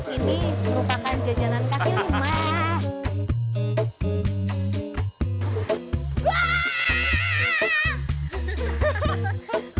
ini merupakan jajanan kaki lima